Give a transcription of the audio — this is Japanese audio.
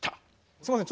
すいません